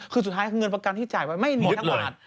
คือสุดท้ายเงินประกันที่จ่ายไว้ไม่มีทั้งบาท